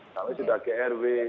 kami sudah ke rw